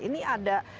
ini ada adjustment